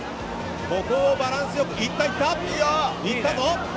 ここをバランスよく行ったぞ！